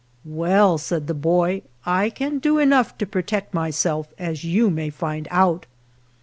"Well," said the boy, "I can do enough to protect myself, as you may find out."